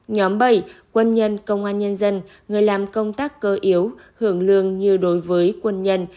nhóm bảy quân nhân công an nhân dân người làm công tác cơ yếu hưởng lương như đối với quân nhân